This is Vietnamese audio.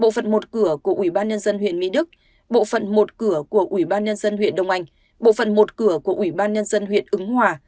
bộ phận một cửa của ủy ban nhân dân huyện mỹ đức bộ phận một cửa của ủy ban nhân dân huyện đông anh bộ phận một cửa của ủy ban nhân dân huyện ứng hòa